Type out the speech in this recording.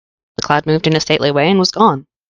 The cloud moved in a stately way and was gone.